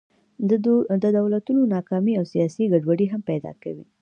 د دولتونو ناکامي او سیاسي ګډوډۍ هم پیدا کوي.